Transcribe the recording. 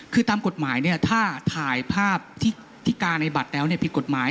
คือตามกฎหมายเนี่ยถ้าถ่ายภาพที่กาในบัตรแล้วผิดกฎหมาย